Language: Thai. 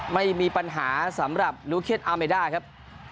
ไม่มีปัญหาสำหรับนูเคสอาเมด้าครับ